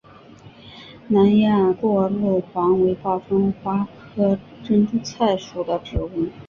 南亚过路黄为报春花科珍珠菜属的植物。